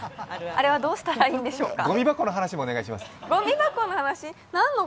あれはどうしたらいいんでしょうか。